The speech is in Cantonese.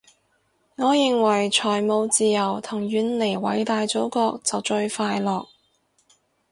我認為財務自由同遠離偉大祖國就最快樂